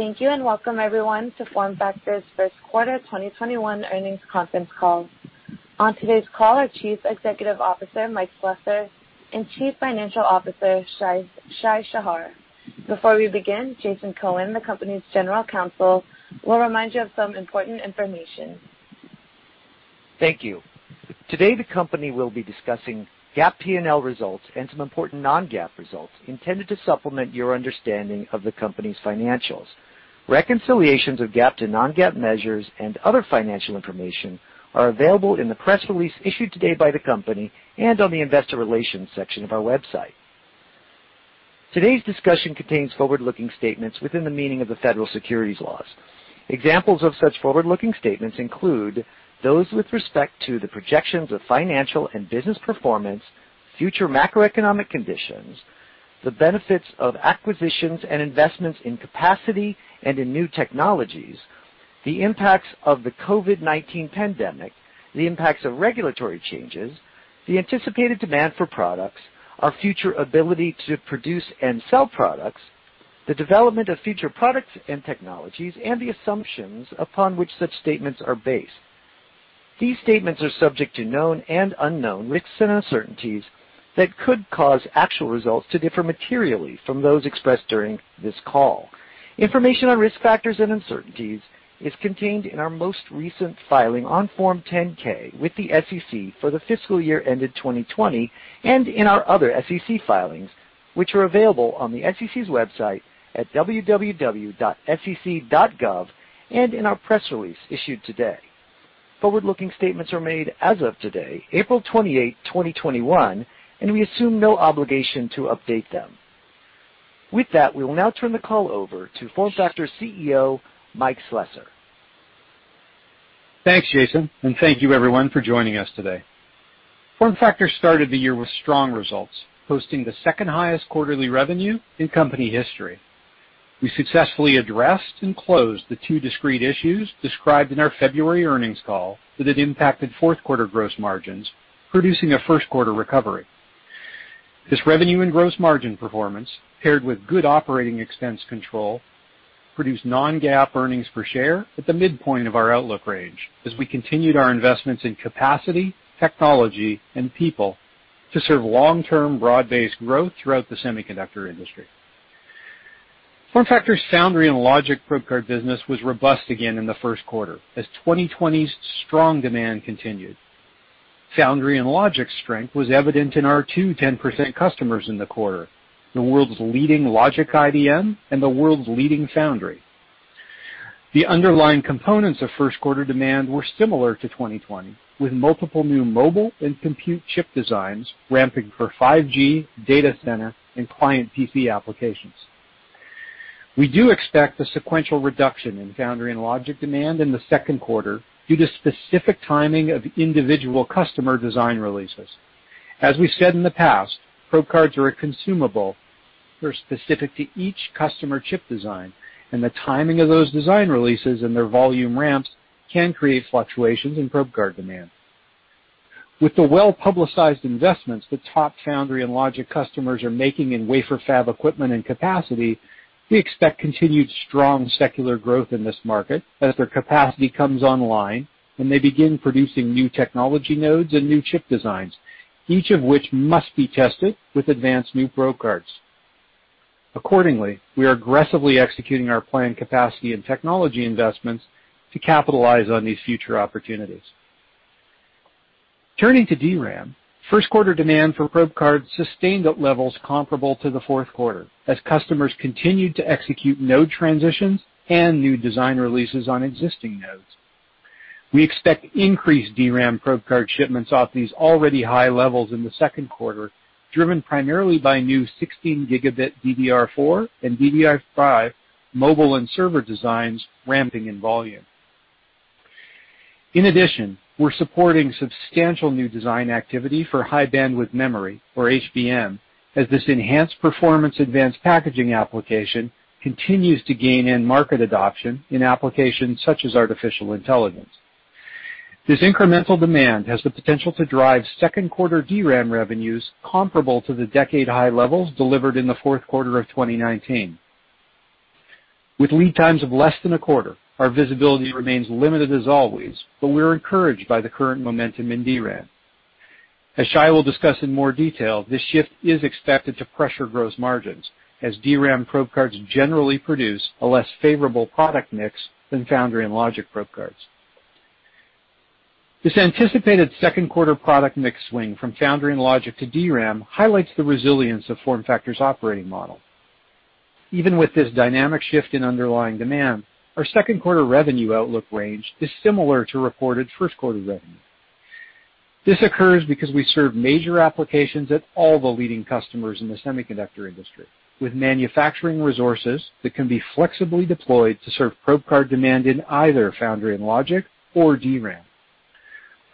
Thank you, and welcome, everyone, to FormFactor's first quarter 2021 earnings conference call. On today's call, are Chief Executive Officer, Mike Slessor, and Chief Financial Officer, Shai Shahar. Before we begin, Jason Cohen, the company's general counsel, will remind you of some important information. Thank you. Today, the company will be discussing GAAP P&L results and some important non-GAAP results intended to supplement your understanding of the company's financials. Reconciliations of GAAP to non-GAAP measures and other financial information are available in the press release issued today by the company and on the investor relations section of our website. Today's discussion contains forward-looking statements within the meaning of the Federal Securities laws. Examples of such forward-looking statements include those with respect to the projections of financial and business performance, future macroeconomic conditions, the benefits of acquisitions and investments in capacity and in new technologies, the impacts of the COVID-19 pandemic, the impacts of regulatory changes, the anticipated demand for products, our future ability to produce and sell products, the development of future products and technologies, and the assumptions upon which such statements are based. These statements are subject to known and unknown risks and uncertainties that could cause actual results to differ materially from those expressed during this call. Information on risk factors and uncertainties is contained in our most recent filing on Form 10-K with the SEC for the fiscal year ended 2020, and in our other SEC filings, which are available on the SEC's website at www.sec.gov, and in our press release issued today. Forward-looking statements are made as of today, April 28, 2021, and we assume no obligation to update them. With that, we will now turn the call over to FormFactor's CEO, Mike Slessor. Thanks, Jason, and thank you, everyone, for joining us today. FormFactor started the year with strong results, posting the second highest quarterly revenue in company history. We successfully addressed and closed the two discrete issues described in our February earnings call that had impacted fourth quarter gross margins, producing a first quarter recovery. This revenue and gross margin performance, paired with good operating expense control, produced non-GAAP earnings per share at the midpoint of our outlook range as we continued our investments in capacity, technology, and people to serve long-term broad-based growth throughout the semiconductor industry. FormFactor's foundry and logic probe card business was robust again in the first quarter as 2020's strong demand continued. Foundry and logic strength was evident in our two 10% customers in the quarter, the world's leading logic IDM and the world's leading foundry. The underlying components of first quarter demand were similar to 2020, with multiple new mobile and compute chip designs ramping for 5G, data center, and client PC applications. We do expect a sequential reduction in foundry and logic demand in the second quarter due to specific timing of individual customer design releases. As we've said in the past, probe cards are a consumable. They're specific to each customer chip design, and the timing of those design releases and their volume ramps can create fluctuations in probe card demand. With the well-publicized investments that top foundry and logic customers are making in wafer fab equipment and capacity, we expect continued strong secular growth in this market as their capacity comes online and they begin producing new technology nodes and new chip designs, each of which must be tested with advanced new probe cards. Accordingly, we are aggressively executing our planned capacity and technology investments to capitalize on these future opportunities. Turning to DRAM, first quarter demand for probe cards sustained at levels comparable to the fourth quarter as customers continued to execute node transitions and new design releases on existing nodes. We expect increased DRAM probe card shipments off these already high levels in the second quarter, driven primarily by new 16 gigabit DDR4 and DDR5 mobile and server designs ramping in volume. In addition, we're supporting substantial new design activity for high bandwidth memory, or HBM, as this enhanced performance advanced packaging application continues to gain end market adoption in applications such as artificial intelligence. This incremental demand has the potential to drive second quarter DRAM revenues comparable to the decade-high levels delivered in the fourth quarter of 2019. With lead times of less than a quarter, our visibility remains limited as always, but we're encouraged by the current momentum in DRAM. As Shai will discuss in more detail, this shift is expected to pressure gross margins, as DRAM probe cards generally produce a less favorable product mix than foundry and logic probe cards. This anticipated second quarter product mix swing from foundry and logic to DRAM highlights the resilience of FormFactor's operating model. Even with this dynamic shift in underlying demand, our second quarter revenue outlook range is similar to reported first quarter revenue. This occurs because we serve major applications at all the leading customers in the semiconductor industry with manufacturing resources that can be flexibly deployed to serve probe card demand in either foundry and logic or DRAM.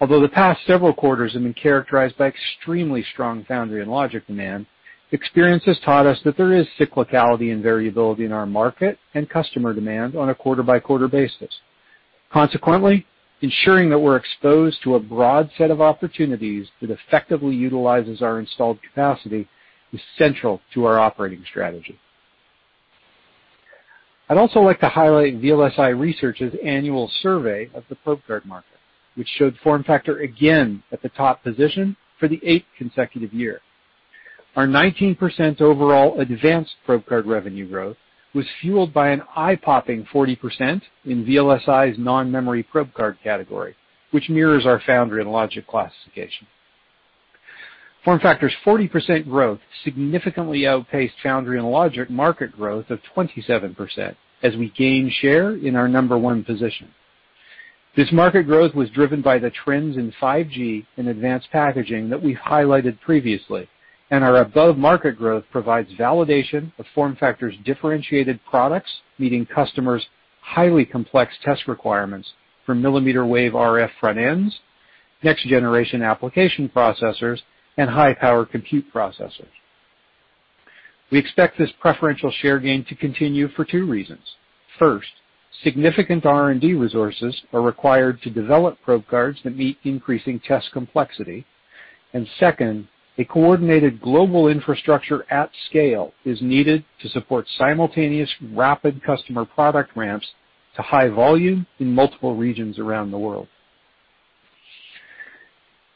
Although the past several quarters have been characterized by extremely strong foundry and logic demand, experience has taught us that there is cyclicality and variability in our market and customer demand on a quarter-by-quarter basis. Consequently, ensuring that we're exposed to a broad set of opportunities that effectively utilizes our installed capacity is central to our operating strategy. I'd also like to highlight VLSIresearch's annual survey of the probe card market, which showed FormFactor again at the top position for the eighth consecutive year. Our 19% overall advanced probe card revenue growth was fueled by an eye-popping 40% in VLSIresearch's non-memory probe card category, which mirrors our foundry and logic classification. FormFactor's 40% growth significantly outpaced foundry and logic market growth of 27%, as we gain share in our number one position. This market growth was driven by the trends in 5G and advanced packaging that we've highlighted previously, and our above-market growth provides validation of FormFactor's differentiated products, meeting customers' highly complex test requirements for millimeter wave RF front ends, next generation application processors, and high-power compute processors. We expect this preferential share gain to continue for two reasons. First, significant R&D resources are required to develop probe cards that meet increasing test complexity. Second, a coordinated global infrastructure at scale is needed to support simultaneous rapid customer product ramps to high volume in multiple regions around the world.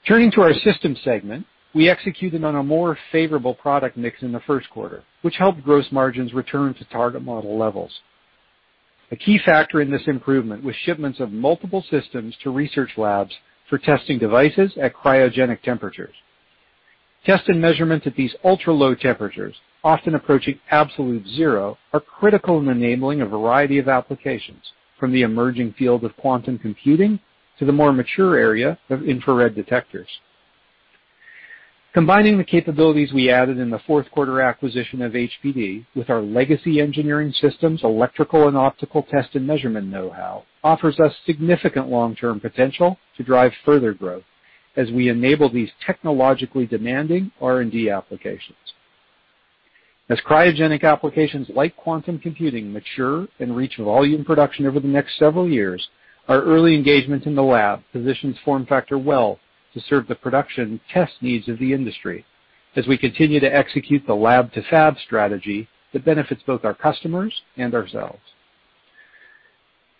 Turning to our systems segment, we executed on a more favorable product mix in the first quarter, which helped gross margins return to target model levels. A key factor in this improvement was shipments of multiple systems to research labs for testing devices at cryogenic temperatures. Test and measurement at these ultra-low temperatures, often approaching absolute zero, are critical in enabling a variety of applications, from the emerging field of quantum computing to the more mature area of infrared detectors. Combining the capabilities we added in the fourth quarter acquisition of HPD with our legacy engineering systems, electrical and optical test and measurement know-how, offers us significant long-term potential to drive further growth as we enable these technologically demanding R&D applications. As cryogenic applications like quantum computing mature and reach volume production over the next several years, our early engagement in the lab positions FormFactor well to serve the production test needs of the industry as we continue to execute the lab-to-fab strategy that benefits both our customers and ourselves.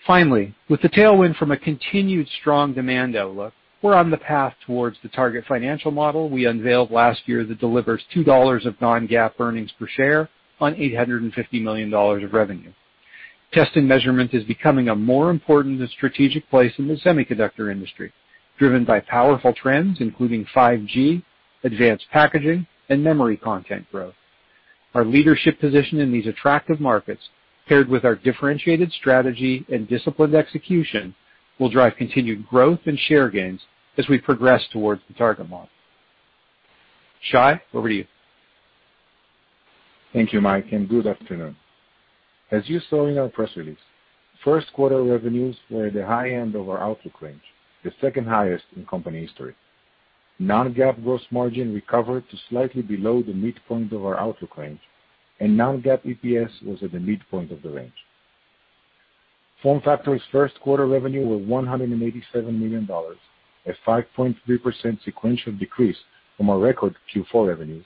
Finally, with the tailwind from a continued strong demand outlook, we're on the path towards the target financial model we unveiled last year that delivers $2 of non-GAAP earnings per share on $850 million of revenue. Test and measurement is becoming a more important and strategic place in the semiconductor industry, driven by powerful trends including 5G, advanced packaging, and memory content growth. Our leadership position in these attractive markets, paired with our differentiated strategy and disciplined execution, will drive continued growth and share gains as we progress towards the target model. Shai, over to you. Thank you, Mike, and good afternoon. As you saw in our press release, first quarter revenues were at the high end of our outlook range, the second highest in company history. Non-GAAP gross margin recovered to slightly below the midpoint of our outlook range, and non-GAAP EPS was at the midpoint of the range. FormFactor's first quarter revenue was $187 million, a 5.3% sequential decrease from our record Q4 revenues,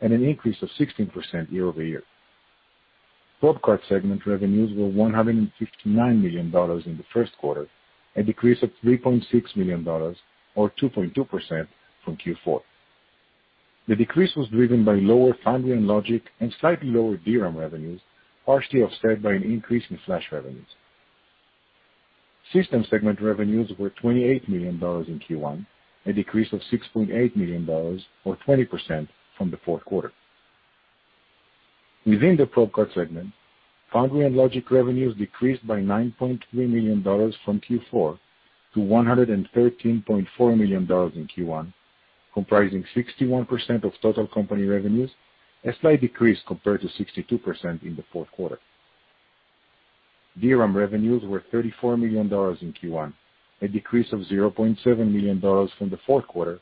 and an increase of 16% year-over-year. Probe card segment revenues were $159 million in the first quarter, a decrease of $3.6 million, or 2.2%, from Q4. The decrease was driven by lower foundry and logic, and slightly lower DRAM revenues, partially offset by an increase in flash revenues. Systems segment revenues were $28 million in Q1, a decrease of $6.8 million, or 20%, from the fourth quarter. Within the probe card segment, foundry and logic revenues decreased by $9.3 million from Q4 to $113.4 million in Q1, comprising 61% of total company revenues, a slight decrease compared to 62% in the fourth quarter. DRAM revenues were $34 million in Q1, a decrease of $0.7 million from the fourth quarter,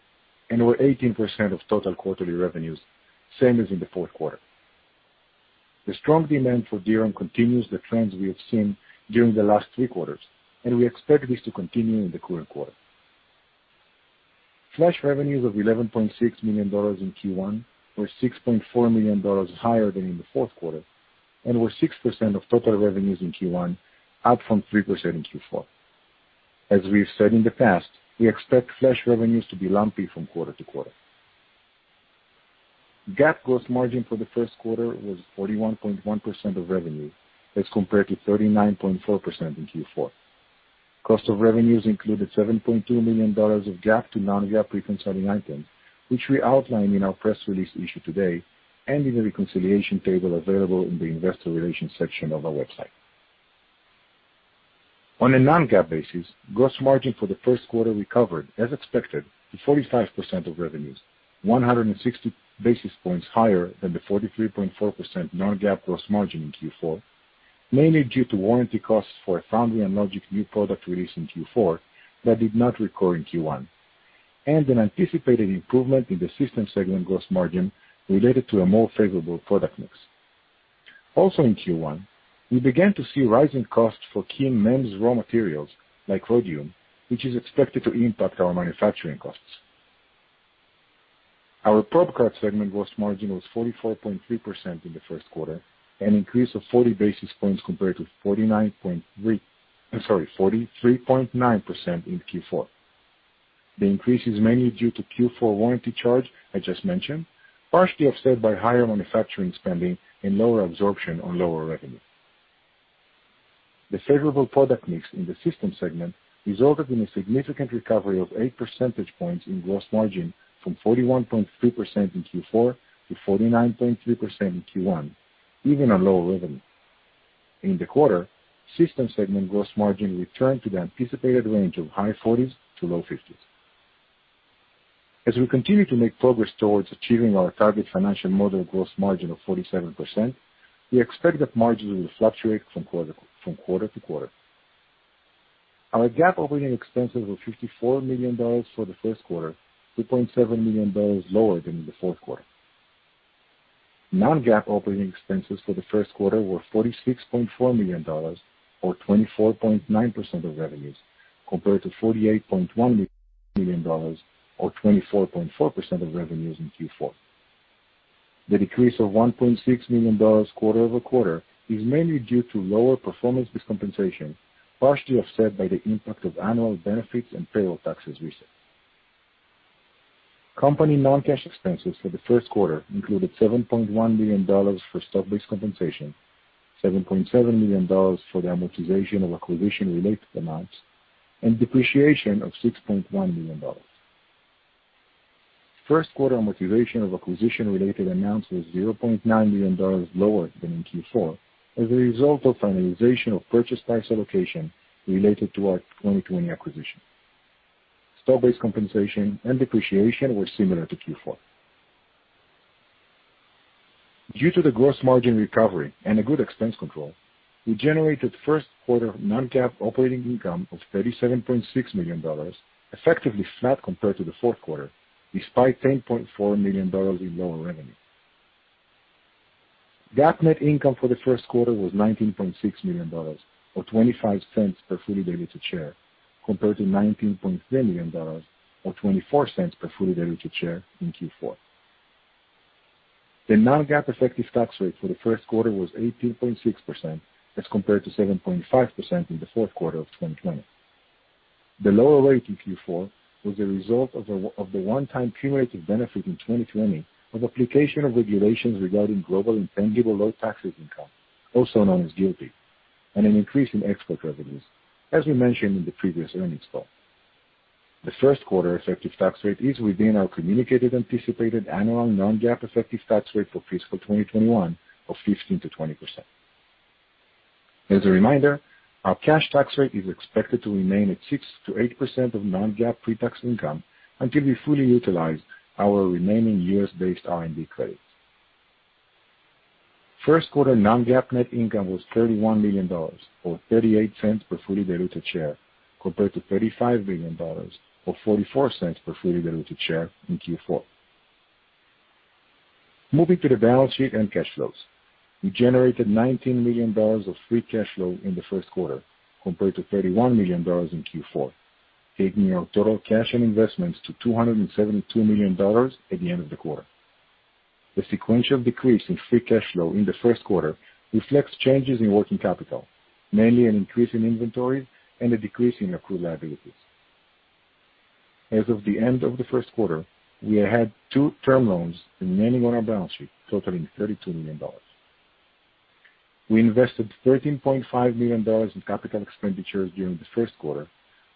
and were 18% of total quarterly revenues, same as in the fourth quarter. The strong demand for DRAM continues the trends we have seen during the last three quarters, and we expect this to continue in the current quarter. Flash revenues of $11.6 million in Q1 were $6.4 million higher than in the fourth quarter and were 6% of total revenues in Q1, up from 3% in Q4. As we have said in the past, we expect flash revenues to be lumpy from quarter to quarter. GAAP gross margin for the first quarter was 41.1% of revenue as compared to 39.4% in Q4. Cost of revenues included $7.2 million of GAAP to non-GAAP pre-conceding items, which we outline in our press release issued today and in the reconciliation table available in the investor relations section of our website. On a non-GAAP basis, gross margin for the first quarter recovered as expected to 45% of revenues, 160 basis points higher than the 43.4% non-GAAP gross margin in Q4, mainly due to warranty costs for a foundry and logic new product released in Q4 that did not recur in Q1, and an anticipated improvement in the systems segment gross margin related to a more favorable product mix. Also in Q1, we began to see rising costs for key MEMS raw materials like rhodium, which is expected to impact our manufacturing costs. Our probe card segment gross margin was 44.3% in the first quarter, an increase of 40 basis points compared to 43.9% in Q4. The increase is mainly due to Q4 warranty charge I just mentioned, partially offset by higher manufacturing spending and lower absorption on lower revenue. The favorable product mix in the system segment resulted in a significant recovery of eight percentage points in gross margin from 41.3% in Q4 to 49.3% in Q1, even on lower revenue. In the quarter, system segment gross margin returned to the anticipated range of high 40s to low 50s. As we continue to make progress towards achieving our target financial model gross margin of 47%, we expect that margins will fluctuate from quarter to quarter. Our GAAP operating expenses were $54 million for the first quarter, $2.7 million lower than in the fourth quarter. Non-GAAP operating expenses for the first quarter were $46.4 million or 24.9% of revenues, compared to $48.1 million or 24.4% of revenues in Q4. The decrease of $1.6 million quarter-over-quarter is mainly due to lower performance-based compensation, partially offset by the impact of annual benefits and payroll taxes reset. Company non-cash expenses for the first quarter included $7.1 million for stock-based compensation, $7.7 million for the amortization of acquisition-related amounts, and depreciation of $6.1 million. First quarter amortization of acquisition-related amounts was $0.9 million lower than in Q4 as a result of finalization of purchase price allocation related to our 2020 acquisition. Stock-based compensation and depreciation were similar to Q4. Due to the gross margin recovery and a good expense control, we generated first quarter non-GAAP operating income of $37.6 million, effectively flat compared to the fourth quarter, despite $10.4 million in lower revenue. GAAP net income for the first quarter was $19.6 million, or $0.25 per fully diluted share, compared to $19.7 million or $0.24 per fully diluted share in Q4. The non-GAAP effective tax rate for the first quarter was 18.6% as compared to 7.5% in the fourth quarter of 2020. The lower rate in Q4 was a result of the one-time cumulative benefit in 2020 of application of regulations regarding global intangible low-taxes income, also known as GILTI, and an increase in export revenues, as we mentioned in the previous earnings call. The first quarter effective tax rate is within our communicated anticipated annual non-GAAP effective tax rate for fiscal 2021 of 15%-20%. As a reminder, our cash tax rate is expected to remain at 6%-8% of non-GAAP pre-tax income until we fully utilize our remaining U.S.-based R&D credits. First quarter non-GAAP net income was $31 million, or $0.38 per fully diluted share, compared to $35 million or $0.44 per fully diluted share in Q4. Moving to the balance sheet and cash flows. We generated $19 million of free cash flow in the first quarter compared to $31 million in Q4, taking our total cash and investments to $272 million at the end of the quarter. The sequential decrease in free cash flow in the first quarter reflects changes in working capital, mainly an increase in inventory and a decrease in accrued liabilities. As of the end of the first quarter, we had two term loans remaining on our balance sheet, totaling $32 million. We invested $13.5 million in CapEx during the first quarter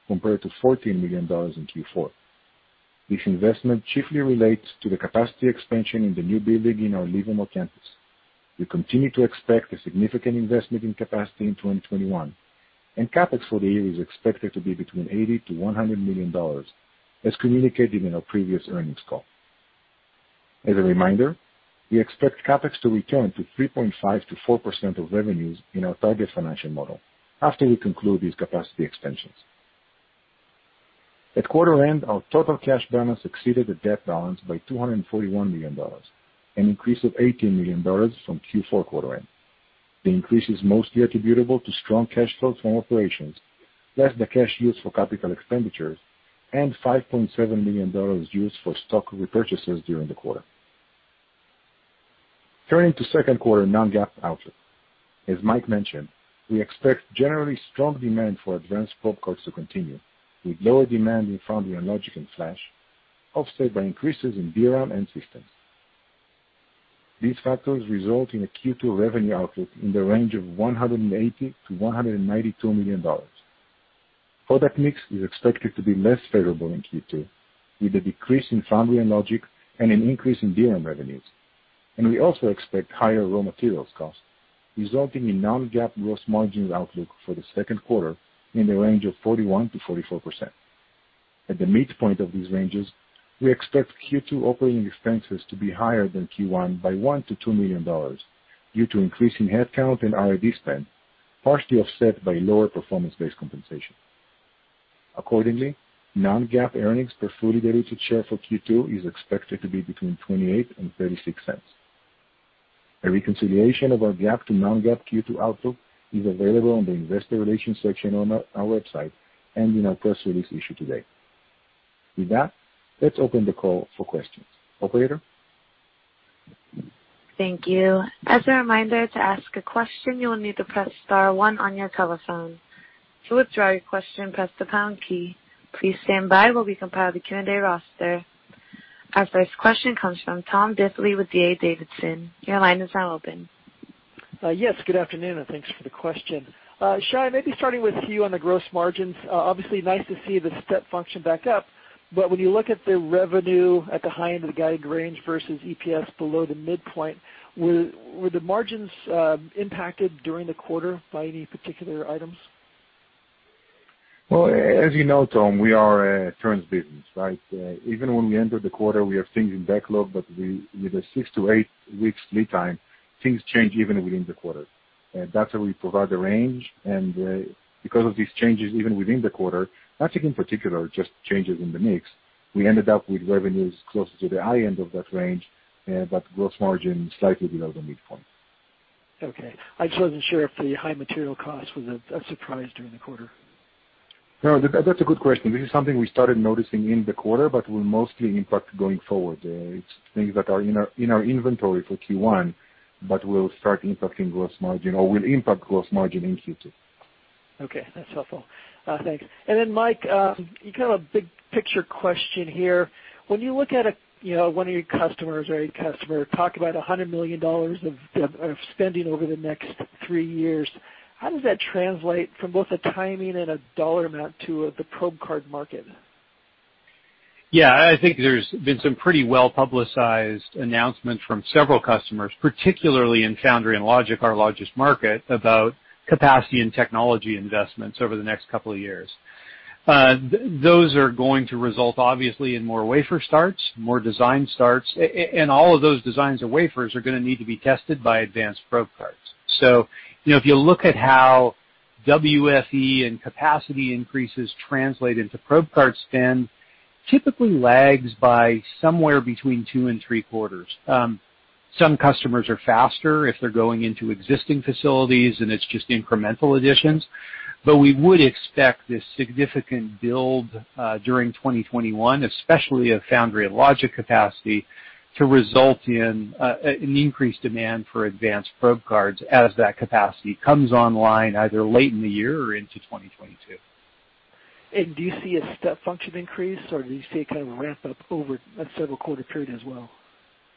compared to $14 million in Q4. This investment chiefly relates to the capacity expansion in the new building in our Livermore campus. We continue to expect a significant investment in capacity in 2021. CapEx for the year is expected to be between $80 million-$100 million, as communicated in our previous earnings call. As a reminder, we expect CapEx to return to 3.5%-4% of revenues in our target financial model after we conclude these capacity extensions. At quarter end, our total cash balance exceeded the debt balance by $241 million, an increase of $18 million from Q4 quarter end. The increase is mostly attributable to strong cash flows from operations, less the cash used for capital expenditures and $5.7 million used for stock repurchases during the quarter. Turning to second quarter non-GAAP outlook. As Mike mentioned, we expect generally strong demand for advanced probe cards to continue, with lower demand in foundry and logic and flash, offset by increases in DRAM and systems. These factors result in a Q2 revenue outlook in the range of $180 million-$192 million. Product mix is expected to be less favorable in Q2, with a decrease in foundry and logic and an increase in DRAM revenues. We also expect higher raw materials cost, resulting in non-GAAP gross margin outlook for the second quarter in the range of 41%-44%. At the midpoint of these ranges, we expect Q2 operating expenses to be higher than Q1 by $1 million-$2 million due to increase in headcount and R&D spend, partially offset by lower performance-based compensation. Accordingly, non-GAAP earnings per fully diluted share for Q2 is expected to be between $0.28 and $0.36. A reconciliation of our GAAP to non-GAAP Q2 outlook is available on the investor relations section on our website and in our press release issued today. With that, let's open the call for questions. Operator? Thank you. As a reminder, to ask a question, you will need to press star one on your telephone. To withdraw your question, press the pound key. Please stand by, while we compile the candidate roster. Our first question comes from Tom Diffely with D.A. Davidson. Your line is now open. Yes. Good afternoon, and thanks for the question. Shai, maybe starting with you on the gross margins. Obviously, nice to see the step function back up. When you look at the revenue at the high end of the guided range versus EPS below the midpoint, were the margins impacted during the quarter by any particular items? Well, as you know, Tom, we are a trends business, right? Even when we enter the quarter, we have things in backlog, but with a six to eight weeks lead time, things change even within the quarter. That's why we provide the range. Because of these changes even within the quarter, nothing in particular, just changes in the mix, we ended up with revenues closer to the high end of that range, but gross margin slightly below the midpoint. Okay. I just wasn't sure if the high material cost was a surprise during the quarter. No, that's a good question. This is something we started noticing in the quarter, but will mostly impact going forward. It's things that are in our inventory for Q1, but will start impacting gross margin or will impact gross margin in Q2. Okay, that's helpful. Thanks. Mike, kind of a big-picture question here. When you look at one of your customers or a customer talk about $100 million of spending over the next three years, how does that translate from both a timing and a dollar amount to the probe card market? Yeah, I think there's been some pretty well-publicized announcements from several customers, particularly in foundry and logic, our largest market, about capacity and technology investments over the next couple of years. Those are going to result, obviously, in more wafer starts, more design starts, and all of those designs of wafers are going to need to be tested by advanced probe cards. If you look at how WFE and capacity increases translate into probe card spend, typically lags by somewhere between two and three quarters. Some customers are faster if they're going into existing facilities and it's just incremental additions. We would expect this significant build during 2021, especially of foundry and logic capacity, to result in increased demand for advanced probe cards as that capacity comes online either late in the year or into 2022. Do you see a step function increase, or do you see a kind of ramp up over a several-quarter period as well?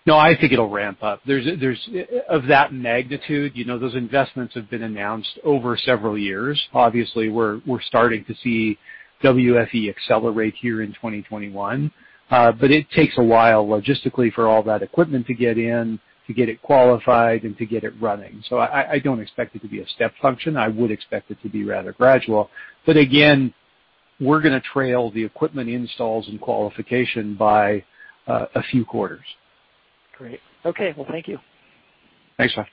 No, I think it'll ramp up. Of that magnitude, those investments have been announced over several years. Obviously, we're starting to see WFE accelerate here in 2021. It takes a while logistically for all that equipment to get in, to get it qualified, and to get it running. I don't expect it to be a step function. I would expect it to be rather gradual. Again, we're going to trail the equipment installs and qualification by a few quarters. Great. Okay. Well, thank you. Thanks, Tom.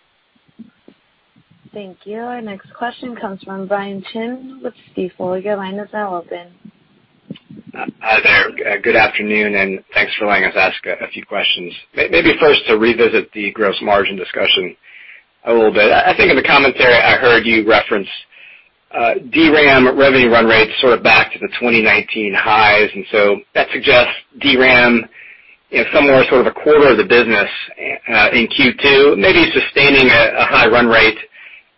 Thank you. Our next question comes from Brian Chin with Stifel. Your line is now open. Hi there. Good afternoon, and thanks for letting us ask a few questions. Maybe first to revisit the gross margin discussion a little bit. I think in the commentary, I heard you reference DRAM revenue run rates sort of back to the 2019 highs. That suggests DRAM is somewhere sort of a quarter of the business in Q2, maybe sustaining a high run rate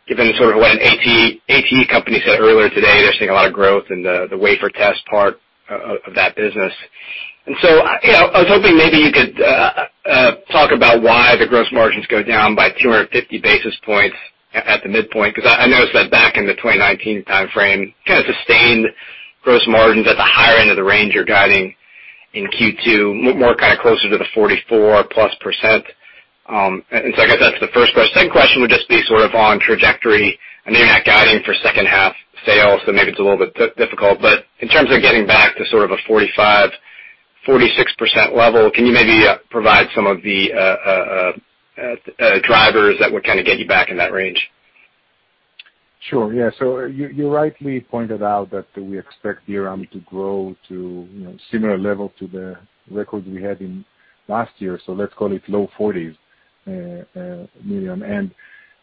given sort of what an ATE company said earlier today. They're seeing a lot of growth in the wafer test part of that business. I was hoping maybe you could talk about why the gross margins go down by 250 basis points at the midpoint, because I noticed that back in the 2019 timeframe, kind of sustained gross margins at the higher end of the range you're guiding in Q2, more kind of closer to the 44+%. I guess that's the first question. Second question would just be sort of on trajectory. I know you're not guiding for second half sales, so maybe it's a little bit difficult, but in terms of getting back to sort of a 45%, 46% level, can you maybe provide some of the drivers that would kind of get you back in that range? Sure. Yeah. You rightly pointed out that we expect DRAM to grow to similar level to the record we had in last year's, let's call it $low 40s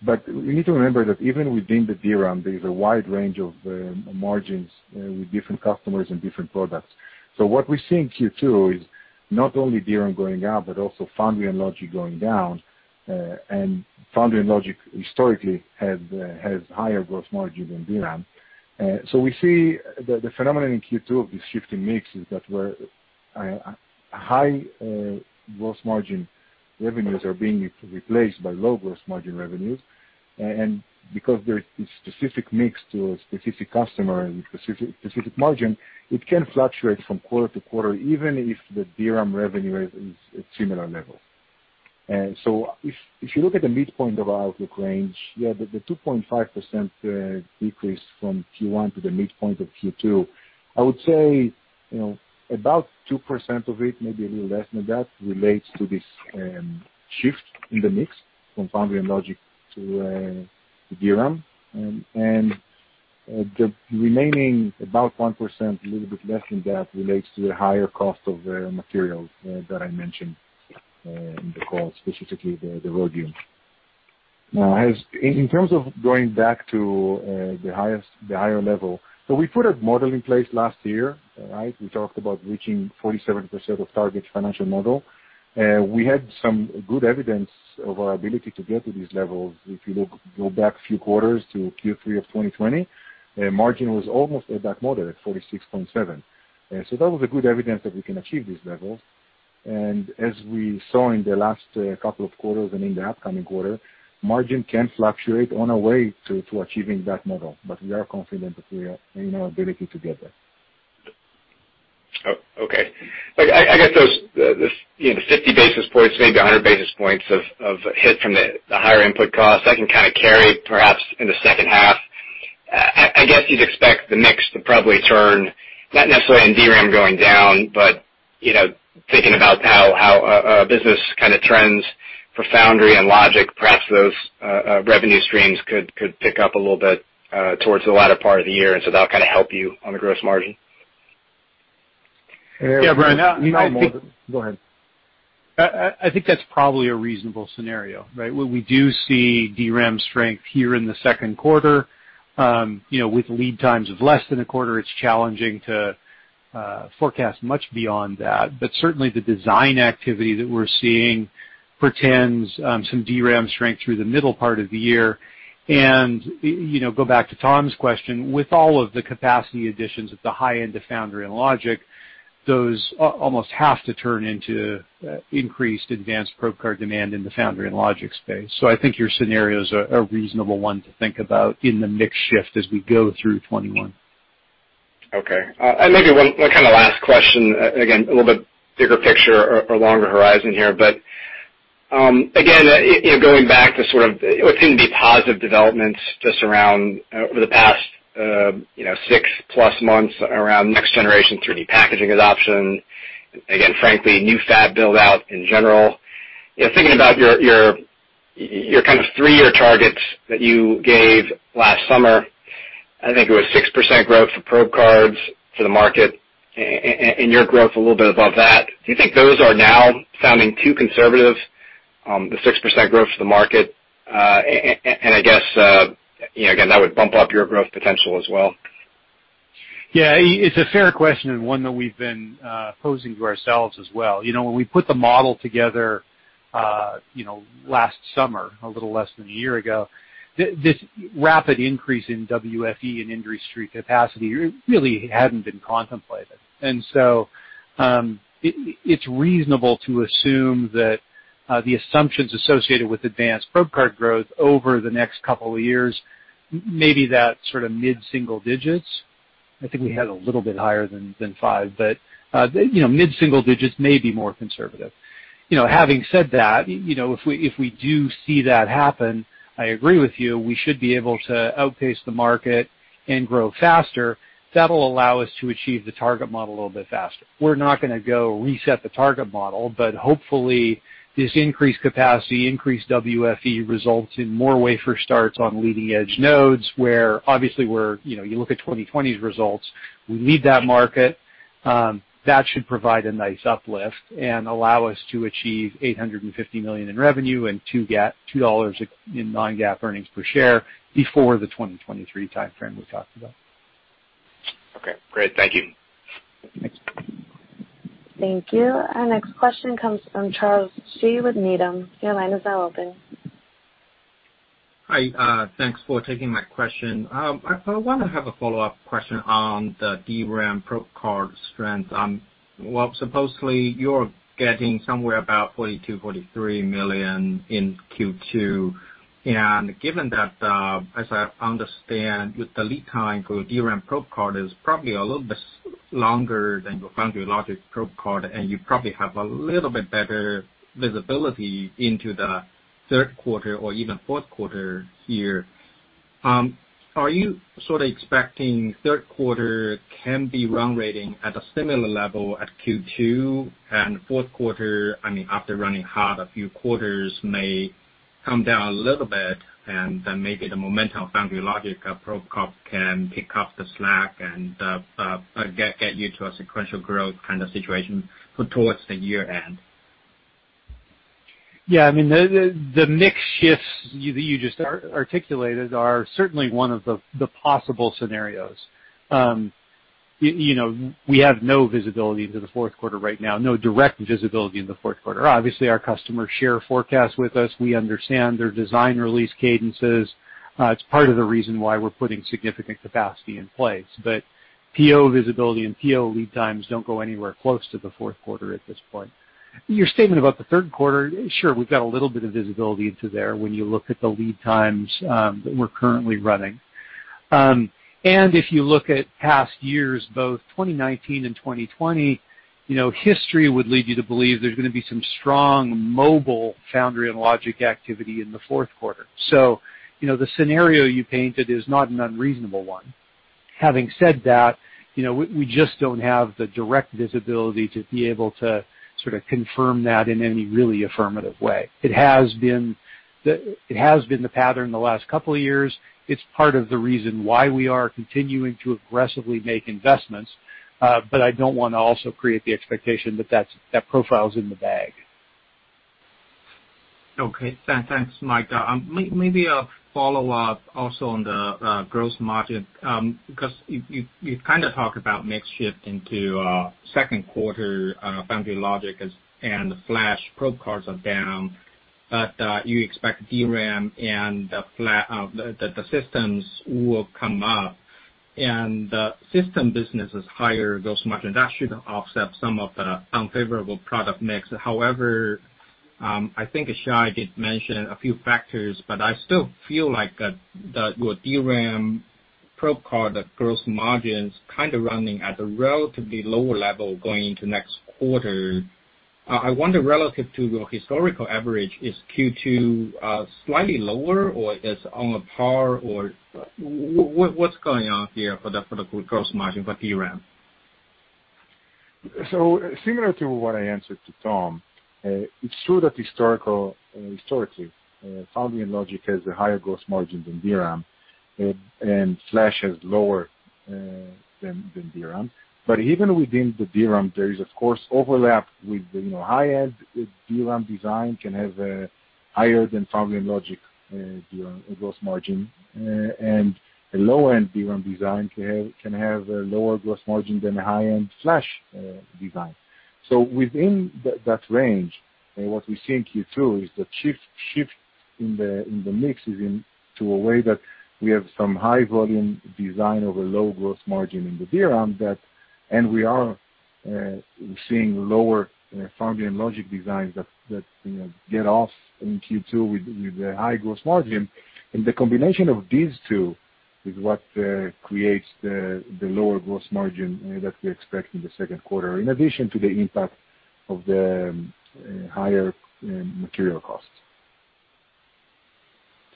million. We need to remember that even within the DRAM, there's a wide range of margins with different customers and different products. What we see in Q2 is not only DRAM going up, but also foundry and logic going down, and foundry and logic historically has higher gross margin than DRAM. Because there is specific mix to a specific customer and specific margin, it can fluctuate from quarter to quarter, even if the DRAM revenue is at similar level. If you look at the midpoint of our outlook range, yeah, the 2.5% decrease from Q1 to the midpoint of Q2, I would say about 2% of it, maybe a little less than that, relates to this shift in the mix from foundry and logic to DRAM. The remaining about 1%, a little bit less than that, relates to the higher cost of materials that I mentioned in the call, specifically the rhodium. In terms of going back to the higher level. We put a model in place last year, right? We talked about reaching 47% of target financial model. We had some good evidence of our ability to get to these levels. If you go back a few quarters to Q3 of 2020, margin was almost at that model at 46.7. That was a good evidence that we can achieve these levels. As we saw in the last couple of quarters and in the upcoming quarter, margin can fluctuate on our way to achieving that model. We are confident in our ability to get there. Oh, okay. I guess those 50 basis points, maybe 100 basis points of hit from the higher input costs, that can kind of carry perhaps in the second half. I guess you'd expect the mix to probably turn, not necessarily in DRAM going down, but thinking about how a business kind of trends for foundry and logic, perhaps those revenue streams could pick up a little bit towards the latter part of the year, and so that'll kind of help you on the gross margin. Yeah, Brian. Yeah. Go ahead. I think that's probably a reasonable scenario, right? Where we do see DRAM strength here in the second quarter. With lead times of less than a quarter, it's challenging to forecast much beyond that. Certainly, the design activity that we're seeing portends some DRAM strength through the middle part of the year. Go back to Tom Diffely's question, with all of the capacity additions at the high end of foundry and logic, those almost have to turn into increased advanced probe card demand in the foundry and logic space. I think your scenario is a reasonable one to think about in the mix shift as we go through 2021. Okay. Maybe one kind of last question, again, a little bit bigger picture or longer horizon here. Again, going back to sort of what seem to be positive developments just around over the past six plus months around next generation 3D packaging adoption, again, frankly, new fab build-out in general. Thinking about your kind of three-year targets that you gave last summer, I think it was 6% growth for probe cards for the market, and your growth a little bit above that. Do you think those are now sounding too conservative, the 6% growth for the market? I guess, again, that would bump up your growth potential as well. Yeah. It's a fair question, and one that we've been posing to ourselves as well. When we put the model together last summer, a little less than a year ago, this rapid increase in WFE in industry capacity really hadn't been contemplated. It's reasonable to assume that the assumptions associated with advanced probe card growth over the next couple of years, maybe that sort of mid-single digits. I think we had a little bit higher than five, but mid-single digits may be more conservative. Having said that, if we do see that happen, I agree with you, we should be able to outpace the market and grow faster. That'll allow us to achieve the target model a little bit faster. We're not going to go reset the target model, but hopefully this increased capacity, increased WFE results in more wafer starts on leading edge nodes, where obviously you look at 2020's results, we lead that market. That should provide a nice uplift and allow us to achieve $850 million in revenue and $2 in non-GAAP earnings per share before the 2023 timeframe we talked about. Okay, great. Thank you. Thanks. Thank you. Our next question comes from Charles Shi with Needham. Hi. Thanks for taking my question. I want to have a follow-up question on the DRAM probe card strength. Well, supposedly, you're getting somewhere about $42 million, $43 million in Q2. Given that, as I understand, with the lead time for DRAM probe card is probably a little bit longer than your foundry logic probe card, and you probably have a little bit better visibility into the third quarter or even fourth quarter here. Are you sort of expecting third quarter can be run rating at a similar level at Q2 and fourth quarter, I mean, after running hot, a few quarters may come down a little bit, and then maybe the momentum foundry logic probe card can pick up the slack and get you to a sequential growth kind of situation towards the year-end? Yeah, I mean, the mix shifts you just articulated are certainly one of the possible scenarios. We have no visibility into the fourth quarter right now, no direct visibility in the fourth quarter. Obviously, our customers share forecasts with us. We understand their design release cadences. It's part of the reason why we're putting significant capacity in place. PO visibility and PO lead times don't go anywhere close to the fourth quarter at this point. Your statement about the third quarter, sure, we've got a little bit of visibility into there when you look at the lead times that we're currently running. If you look at past years, both 2019 and 2020, history would lead you to believe there's going to be some strong mobile foundry and logic activity in the fourth quarter. The scenario you painted is not an unreasonable one. Having said that, we just don't have the direct visibility to be able to sort of confirm that in any really affirmative way. It has been the pattern the last couple of years. It's part of the reason why we are continuing to aggressively make investments. I don't want to also create the expectation that profile's in the bag. Okay. Thanks, Mike. Maybe a follow-up also on the gross margin, because you've kind of talked about mix shift into second quarter, foundry and logic, and the flash probe cards are down, but you expect DRAM and the systems will come up and the system business is higher gross margin. That should offset some of the unfavorable product mix. I think Shai did mention a few factors, but I still feel like that your DRAM probe card, the gross margin's kind of running at a relatively lower level going into next quarter. I wonder, relative to your historical average, is Q2 slightly lower, or is on par, or what's going on here for the gross margin for DRAM? Similar to what I answered to Tom, it's true that historically, foundry and logic has a higher gross margin than DRAM, and flash has lower than DRAM. Even within the DRAM, there is of course overlap with the high-end DRAM design can have a higher than foundry and logic DRAM gross margin, and a low-end DRAM design can have a lower gross margin than a high-end flash design. Within that range, what we see in Q2 is the shift in the mix is into a way that we have some high volume design over low gross margin in the DRAM, and we are seeing lower foundry and logic designs that get off in Q2 with a high gross margin. The combination of these two is what creates the lower gross margin that we expect in the second quarter, in addition to the impact of the higher material costs.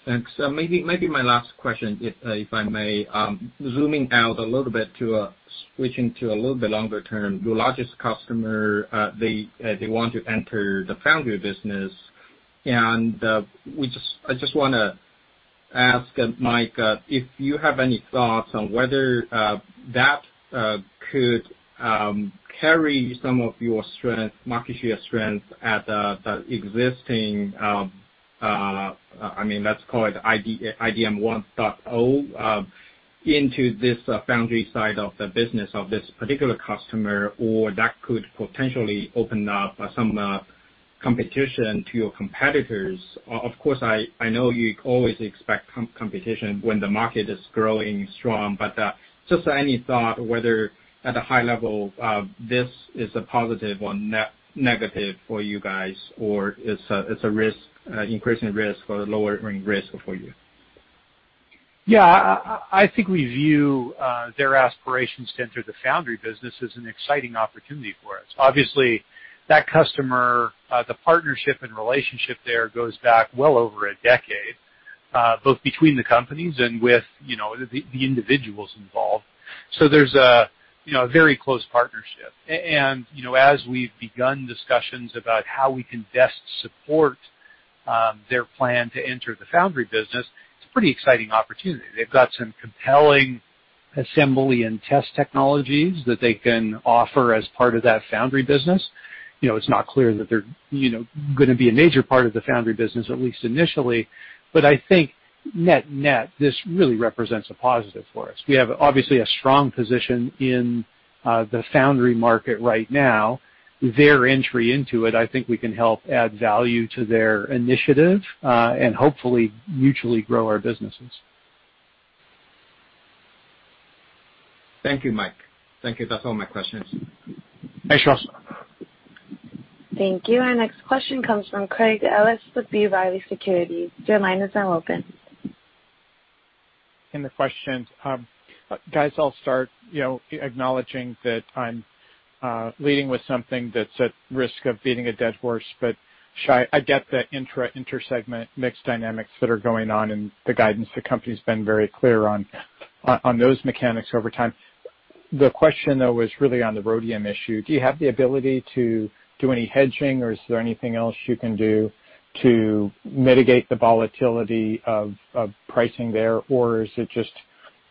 Thanks. Maybe my last question, if I may. Zooming out a little bit to switching to a little bit longer term, your largest customer, they want to enter the foundry business, and I just want to ask, Mike, if you have any thoughts on whether that could carry some of your market share strengths at the existing, let's call it IDM 1.0, into this foundry side of the business of this particular customer, or that could potentially open up some competition to your competitors. Of course, I know you always expect competition when the market is growing strong. Just any thought whether at a high level, this is a positive or negative for you guys, or it's an increasing risk or a lower risk for you. Yeah. I think we view their aspirations to enter the foundry business as an exciting opportunity for us. Obviously, that customer, the partnership and relationship there goes back well over a decade, both between the companies and with the individuals involved. There's a very close partnership. As we've begun discussions about how we can best support their plan to enter the foundry business, it's a pretty exciting opportunity. They've got some compelling assembly and test technologies that they can offer as part of that foundry business. It's not clear that they're going to be a major part of the foundry business, at least initially. I think net-net, this really represents a positive for us. We have obviously a strong position in the foundry market right now. Their entry into it, I think we can help add value to their initiative, and hopefully mutually grow our businesses. Thank you, Mike. Thank you. That is all my questions. Thanks, Charles Thank you. Our next question comes from Craig Ellis with B. Riley Securities. Your line is now open. In the questions. Guys, I'll start acknowledging that I'm leading with something that's at risk of beating a dead horse, but Shai, I get the intra, inter-segment mix dynamics that are going on in the guidance. The company's been very clear on those mechanics over time. The question, though, is really on the rhodium issue. Do you have the ability to do any hedging, or is there anything else you can do to mitigate the volatility of pricing there, or is it just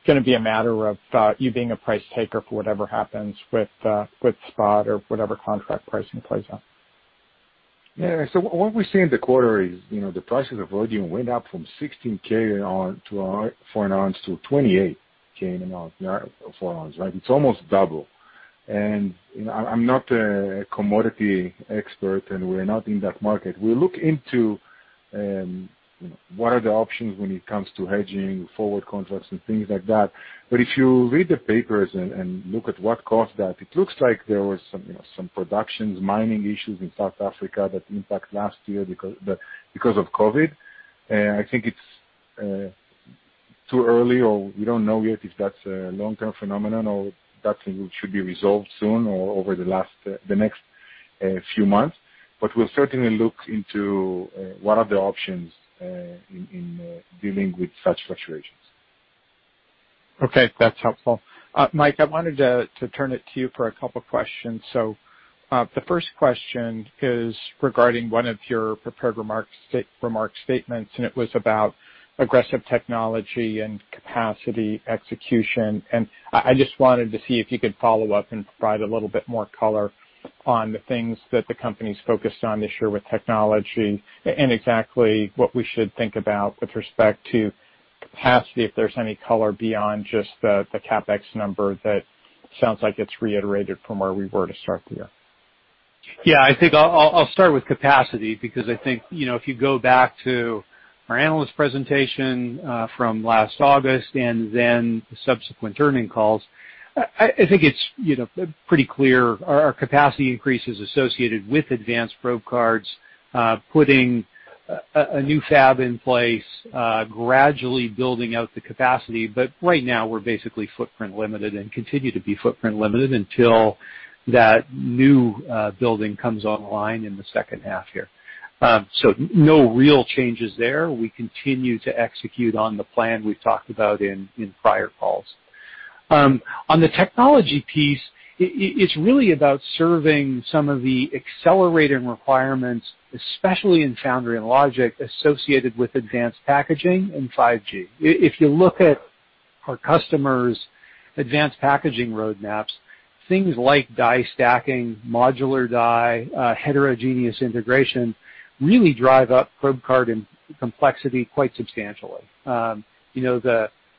going to be a matter of you being a price taker for whatever happens with spot or whatever contract pricing plays out? Yeah. What we see in the quarter is the prices of rhodium went up from $16K for an ounce to $28K for an ounce, right? It's almost double. I'm not a commodity expert, and we're not in that market. We look into what are the options when it comes to hedging, forward contracts, and things like that. If you read the papers and look at what caused that, it looks like there was some productions, mining issues in South Africa that impact last year because of COVID-19. I think it's too early, or we don't know yet if that's a long-term phenomenon or that should be resolved soon or over the next few months, but we'll certainly look into what are the options in dealing with such fluctuations. Okay. That's helpful. Mike, I wanted to turn it to you for a couple questions. The first question is regarding one of your prepared remarks statements, and it was about aggressive technology and capacity execution, and I just wanted to see if you could follow up and provide a little bit more color on the things that the company's focused on this year with technology and exactly what we should think about with respect to capacity, if there's any color beyond just the CapEx number that sounds like it's reiterated from where we were to start the year. I think I'll start with capacity because I think, if you go back to our analyst presentation from last August and then the subsequent earnings calls, I think it's pretty clear our capacity increases associated with advanced probe cards, putting a new fab in place, gradually building out the capacity. Right now we're basically footprint limited and continue to be footprint limited until that new building comes online in the second half year. No real changes there. We continue to execute on the plan we've talked about in prior calls. On the technology piece, it's really about serving some of the accelerated requirements, especially in foundry and logic, associated with advanced packaging and 5G. If you look at our customers' advanced packaging roadmaps, things like die stacking, modular die, heterogeneous integration really drive up probe card and complexity quite substantially.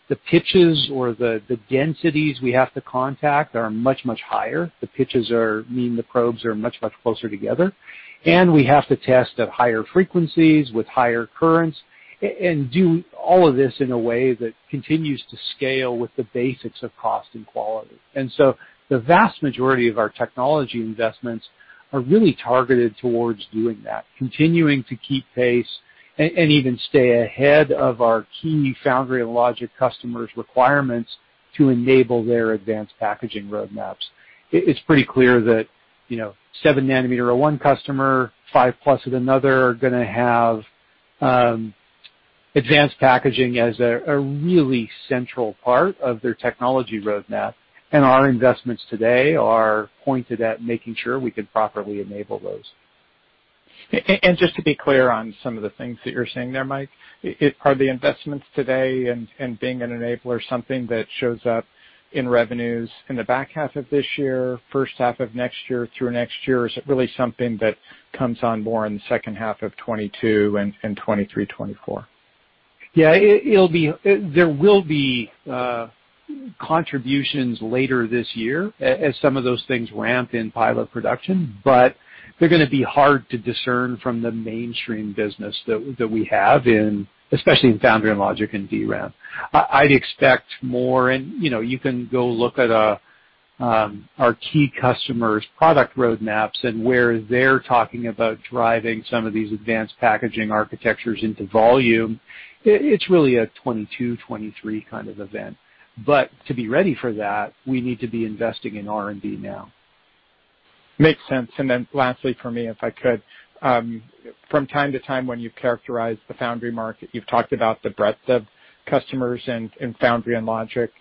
The pitches or the densities we have to contact are much, much higher. The pitches mean the probes are much, much closer together. We have to test at higher frequencies with higher currents and do all of this in a way that continues to scale with the basics of cost and quality. The vast majority of our technology investments are really targeted towards doing that, continuing to keep pace and even stay ahead of our key foundry and logic customers' requirements to enable their advanced packaging roadmaps. It's pretty clear that seven nanometer of one customer, five plus with another, are going to have advanced packaging as a really central part of their technology roadmap. Our investments today are pointed at making sure we can properly enable those. Just to be clear on some of the things that you're saying there, Mike, are the investments today and being an enabler something that shows up in revenues in the back half of this year, first half of next year through next year? Or is it really something that comes on more in the second half of 2022 and 2023, 2024? Yeah. There will be contributions later this year as some of those things ramp in pilot production, but they're going to be hard to discern from the mainstream business that we have, especially in foundry and logic and DRAM. I'd expect more, and you can go look at our key customers' product roadmaps and where they're talking about driving some of these advanced packaging architectures into volume. It's really a 2022, 2023 kind of event, but to be ready for that, we need to be investing in R&D now. Makes sense. Lastly for me, if I could, from time-to-time when you've characterized the foundry market, you've talked about the breadth of customers in foundry and logic,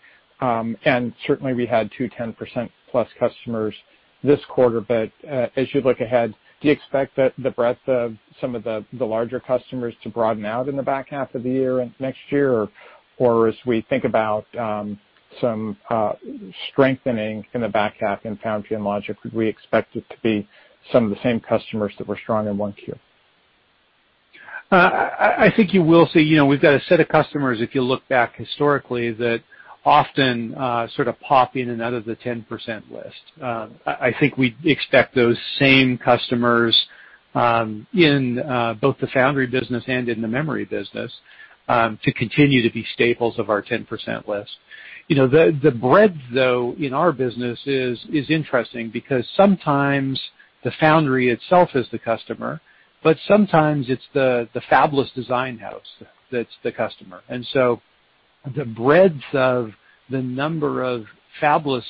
and certainly we had two 10% plus customers this quarter. As you look ahead, do you expect that the breadth of some of the larger customers to broaden out in the back half of the year and next year? As we think about some strengthening in the back half in foundry and logic, we expect it to be some of the same customers that were strong in 1Q. I think you will see. We've got a set of customers, if you look back historically, that often sort of pop in and out of the 10% list. I think we expect those same customers, in both the foundry business and in the memory business, to continue to be staples of our 10% list. The breadth, though, in our business is interesting because sometimes the foundry itself is the customer, but sometimes it's the fabless design house that's the customer. The breadth of the number of fabless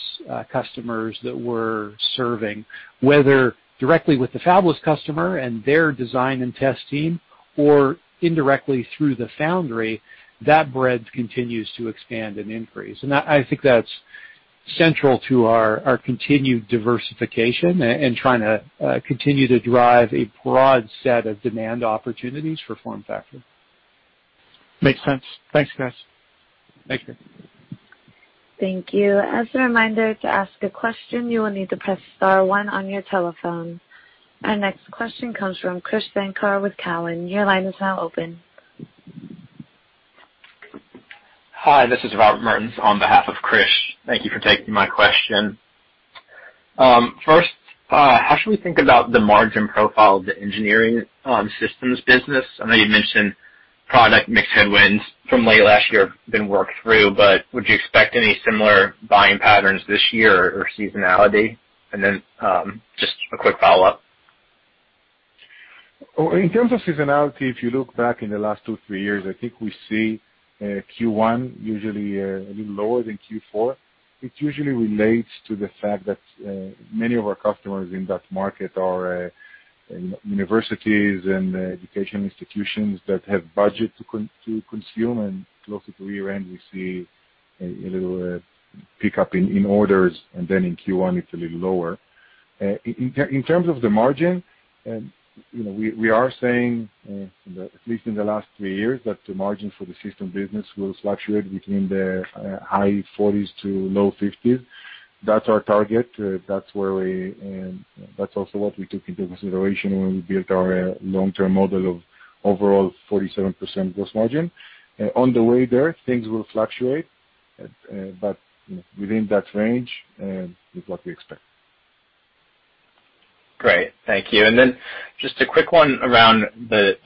customers that we're serving, whether directly with the fabless customer and their design and test team, or indirectly through the foundry, that breadth continues to expand and increase. I think that's central to our continued diversification and trying to continue to drive a broad set of demand opportunities for FormFactor. Makes sense. Thanks, guys. Thank you. Thank you. As a reminder, to ask a question, you will need to press star one on your telephone. Our next question comes from Krish Sankar with Cowen. Your line is now open. Hi, this is Robert Mertens on behalf of Krish. Thank you for taking my question. First, how should we think about the margin profile of the engineering systems business? I know you mentioned product mix headwinds from late last year have been worked through, but would you expect any similar buying patterns this year or seasonality? Just a quick follow-up. In terms of seasonality, if you look back in the last two, three years, I think we see Q1 usually a little lower than Q4. It usually relates to the fact that many of our customers in that market are universities and education institutions that have budget to consume, and closer to year-end, we see a little pick up in orders, and then in Q1, it's a little lower. In terms of the margin, we are saying, at least in the last three years, that the margin for the system business will fluctuate between the high 40s to low 50s. That's our target. That's also what we took into consideration when we built our long-term model of overall 47% gross margin. On the way there, things will fluctuate. Within that range is what we expect. Great. Thank you. Just a quick one around the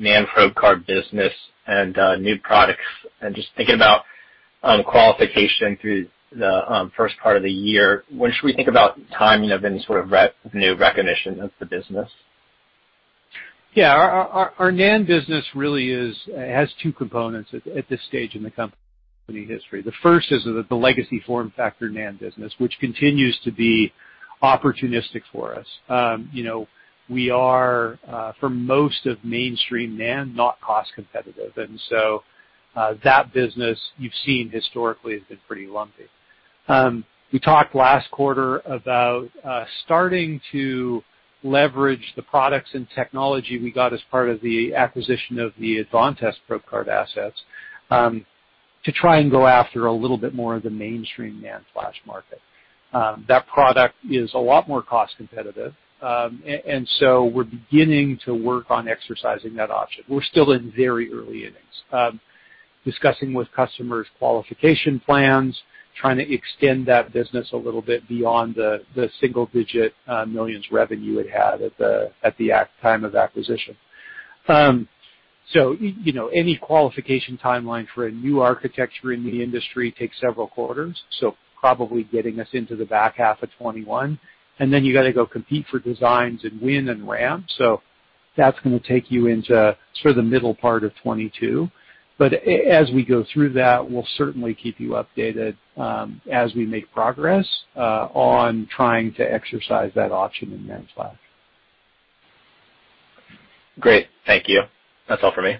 NAND probe card business and new products, and just thinking about qualification through the first part of the year. When should we think about timing of any sort of new recognition of the business? Yeah. Our NAND business really has two components at this stage in the company history. The first is the legacy FormFactor NAND business, which continues to be opportunistic for us. We are for most of mainstream NAND, not cost competitive, and so that business you've seen historically has been pretty lumpy. We talked last quarter about starting to leverage the products and technology we got as part of the acquisition of the Advantest probe card assets, to try and go after a little bit more of the mainstream NAND flash market. That product is a lot more cost competitive, and so we're beginning to work on exercising that option. We're still in very early innings. Discussing with customers qualification plans, trying to extend that business a little bit beyond the single-digit millions revenue it had at the time of acquisition. Any qualification timeline for a new architecture in the industry takes several quarters, probably getting us into the back half of 2021. You got to go compete for designs in win in RAM. That's going to take you into sort of the middle part of 2022. As we go through that, we'll certainly keep you updated as we make progress on trying to exercise that option in NAND flash. Great. Thank you. That's all for me.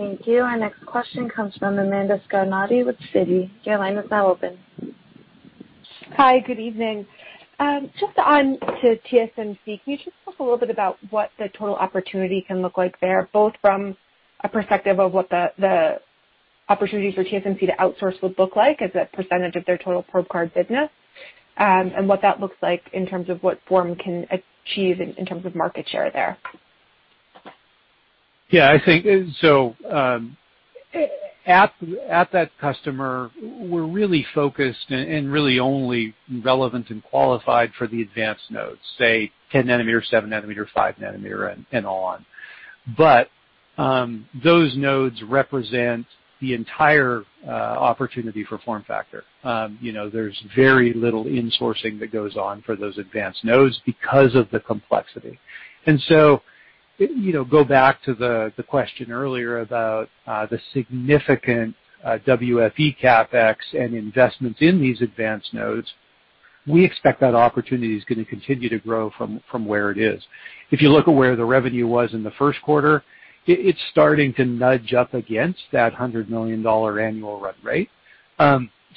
Okay. Thank you. Our next question comes from Atif Malik with Citi. Your line is now open. Hi, good evening. Just on to TSMC, can you just talk a little bit about what the total opportunity can look like there, both from a perspective of what the opportunity for TSMC to outsource would look like as a percentage of their total probe card business, and what that looks like in terms of what Form can achieve in terms of market share there? Yeah. At that customer, we're really focused and really only relevant and qualified for the advanced nodes, say, 10 nanometer, seven nanometer, five nanometer, and on. Those nodes represent the entire opportunity for FormFactor. There's very little insourcing that goes on for those advanced nodes because of the complexity. Go back to the question earlier about the significant WFE CapEx and investments in these advanced nodes, we expect that opportunity is going to continue to grow from where it is. If you look at where the revenue was in the first quarter, it's starting to nudge up against that $100 million annual run rate.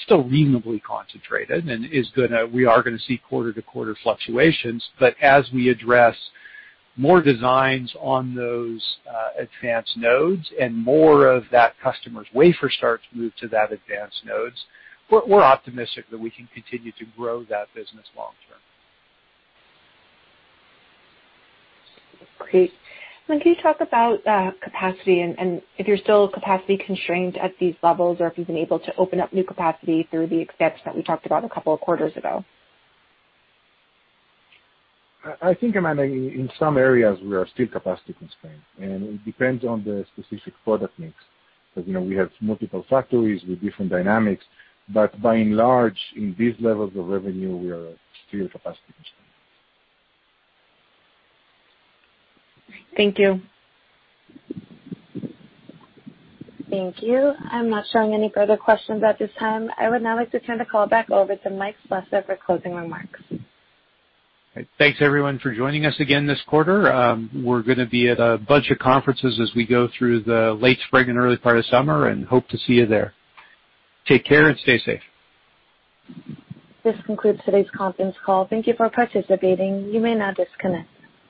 Still reasonably concentrated, and we are going to see quarter-to-quarter fluctuations, but as we address more designs on those advanced nodes and more of that customer's wafer starts move to that advanced nodes, we're optimistic that we can continue to grow that business long term. Great. When can you talk about capacity, and if you're still capacity constrained at these levels, or if you've been able to open up new capacity through the expense that we talked about a couple of quarters ago? I think, Atif Malik, in some areas, we are still capacity constrained, and it depends on the specific product mix. Because we have multiple factories with different dynamics, but by and large, in these levels of revenue, we are still capacity constrained. Thank you. Thank you. I'm not showing any further questions at this time. I would now like to turn the call back over to Mike Slessor for closing remarks. Thanks everyone for joining us again this quarter. We're going to be at a bunch of conferences as we go through the late spring and early part of summer, and hope to see you there. Take care and stay safe. This concludes today's conference call. Thank you for participating. You may now disconnect.